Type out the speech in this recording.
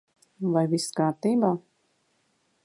Vai viss kārtībā?